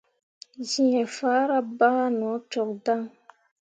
Geefahra ɓah no cok dan.